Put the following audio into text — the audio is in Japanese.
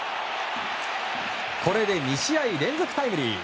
これで２試合連続タイムリー！